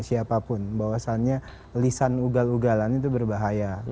siapapun bahwasannya lisan ugal ugalan itu berbahaya